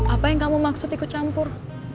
apa yang kamu maksud ikut campur